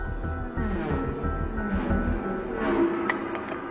うん。